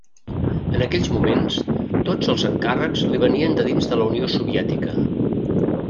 En aquells moments, tots els encàrrecs li venien de dins de la Unió Soviètica.